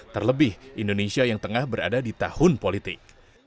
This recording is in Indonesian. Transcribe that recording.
terlebih indonesia yang tengah berada di tahun politik